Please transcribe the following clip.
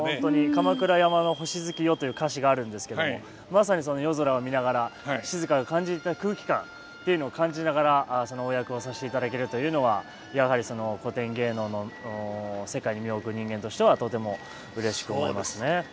「鎌倉山の星月夜」という歌詞があるんですけどもまさにその夜空を見ながら静が感じた空気感っていうのを感じながらそのお役をさせていただけるというのはやはり古典芸能の世界に身を置く人間としてはとてもうれしく思いますね。